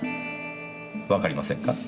わかりませんか？